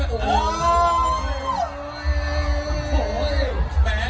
กะเฉดเฮ้ยแล้วดูกะโอ้โห